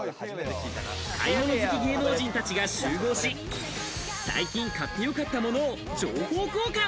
買い物好き芸能人たちが集合し、最近買ってよかったものを情報交換。